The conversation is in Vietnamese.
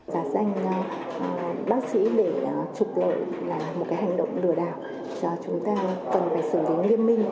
giả danh bác sĩ để trục lợi là một hành động lừa đảo chúng ta cần phải xử lý nghiêm minh